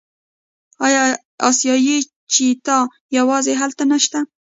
آیا اسیایي چیتا یوازې هلته نشته؟